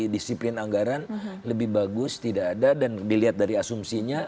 di samping kalau kita bicara asumsi